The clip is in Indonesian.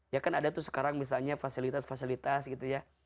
ya kan ada tuh sekarang misalnya fasilitas fasilitas gitu ya